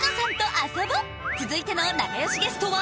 続いての仲良しゲストは